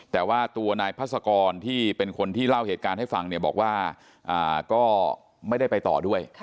แต่ว่าตัวนายพัศกรที่เป็นคนที่เล่าเหตุการณ์ให้ฟังเนี่ยบอกว่าก็ไม่ได้ไปต่อด้วย